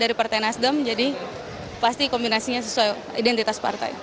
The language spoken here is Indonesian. jadi ini dari partai nasdem jadi pasti kombinasinya sesuai identitas partai